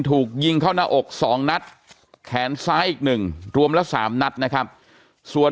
ถูกยิงเข้าหน้าอก๒นัดแขนซ้ายอีก๑รวมละ๓นัดนะครับส่วน